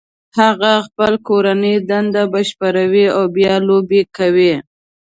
هغه خپل کورنۍ دنده بشپړوي او بیا لوبې کوي